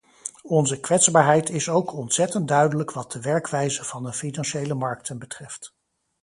Onze kwetsbaarheid is ook ontzettend duidelijk wat de werkwijze van de financiële markten betreft.